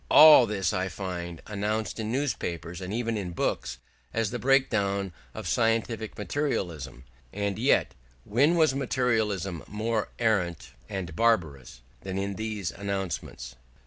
All this I find announced in newspapers and even in books as the breakdown of scientific materialism: and yet, when was materialism more arrant and barbarous than in these announcements?